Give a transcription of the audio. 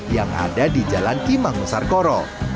yang ada di jalan kimangusarkoro